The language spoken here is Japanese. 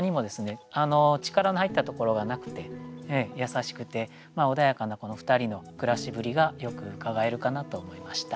力の入ったところがなくて優しくて穏やかなこのふたりの暮らしぶりがよくうかがえるかなと思いました。